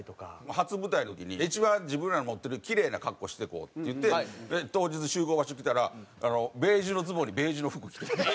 初舞台の時に一番自分らが持ってるキレイな格好して行こうって言って当日集合場所来たらベージュのズボンにベージュの服着てたんですよ。